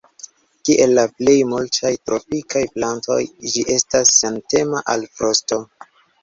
Kiel la plej multaj tropikaj plantoj, ĝi estas sentema al frosto.